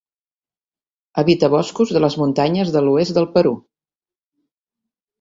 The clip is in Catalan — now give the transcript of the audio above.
Habita boscos de les muntanyes de l'oest del Perú.